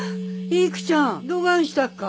育ちゃんどがんしたっか？